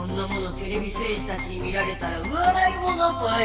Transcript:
てれび戦士たちに見られたらわらいものぽよ。